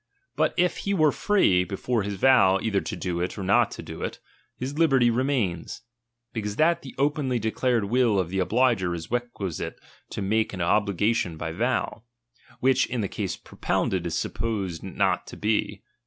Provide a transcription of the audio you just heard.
But if he were free, before his vow, either to do it or not do it, his liberty re mains : becatise that the openly declared will of the obliger is requisite to make an obligation by vow ; which, in the case propounded, is supposed not to be.